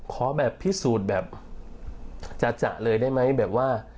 ขอแบบพิสูจน์แบบจะเลยได้ไหมแบบว่า